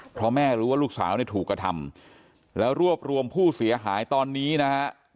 เพราะแม่รู้ว่าลูกสาวเนี่ยถูกกระทำแล้วรวบรวมผู้เสียหายตอนนี้นะฮะ